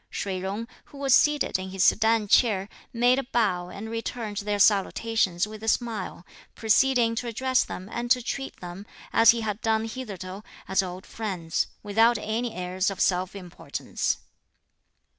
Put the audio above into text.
Shih Jung, who was seated in his sedan chair, made a bow and returned their salutations with a smile, proceeding to address them and to treat them, as he had done hitherto, as old friends, without any airs of self importance.